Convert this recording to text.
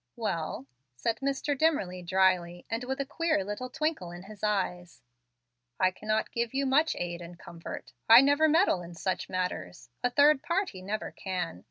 "Well," said Mr. Dimmerly, dryly, and with a queer little twinkle in his eyes, "I cannot give you much aid and comfort. I never meddle in such matters. A third party never can.